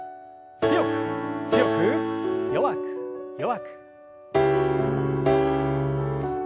強く強く弱く弱く。